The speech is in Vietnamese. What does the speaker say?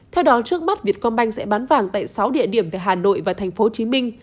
theo đó trước mắt vietcombank sẽ bán vàng tại sáu địa điểm tại hà nội và tp hcm